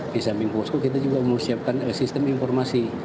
di samping posko kita juga mempersiapkan sistem informasi